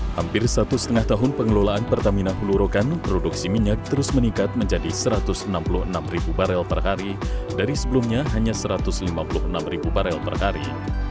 hampir satu setengah tahun pengelolaan pertamina hulu rokan produksi minyak terus meningkat menjadi satu ratus enam puluh enam barel per hari dari sebelumnya hanya satu ratus lima puluh enam barel per hari